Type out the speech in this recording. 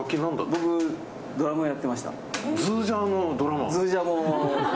僕、ドラムやってました。